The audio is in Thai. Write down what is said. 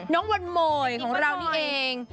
น้องวนโหมยของเรานี่เอง